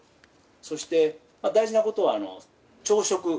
そして大事なことは朝食。